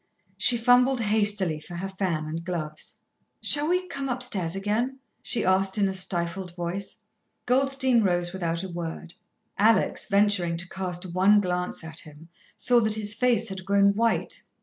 She fumbled hastily for her fan and gloves. "Shall we come upstairs again?" she asked in a stifled voice. Goldstein rose without a word. Alex, venturing to cast one glance at him, saw that his face had grown white.